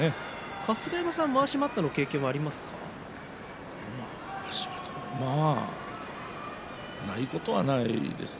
春日山さんはまわし待ったの経験はありますか。